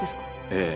ええ。